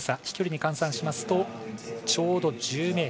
飛距離に換算しますとちょうど１０ｍ。